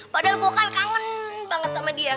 padahal gue kan kangen banget sama dia